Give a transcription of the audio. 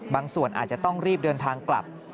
ส่วนอาจจะต้องรีบเดินทางกลับ